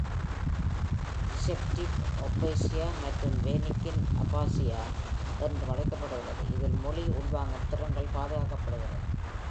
Receptive aphasia என்பது வெர்னிக்கின் aphasia என்றும் அழைக்கப்படுகிறது. இதில் மொழி உள்வாங்கும் திறன்கள் பாதுகாக்கப்படுகிறது.